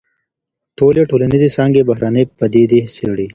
ټولي ټولنيزي څانګي بهرنۍ پديدې څېړي.